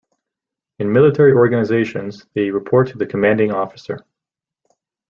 In military organizations, they report to the commanding officer.